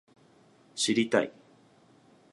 知りたい